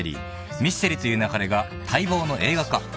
『ミステリと言う勿れ』が待望の映画化］